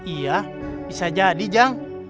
iya bisa jadi jang